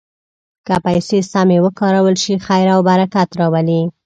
که پیسې سمې وکارول شي، خیر او برکت راولي.